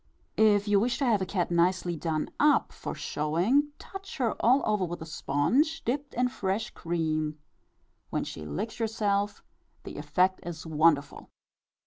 (N.B. If you wish to have a cat nicely done up for showing, touch her all over with a sponge dipped in fresh cream, when she licks herself the effect is wonderful.)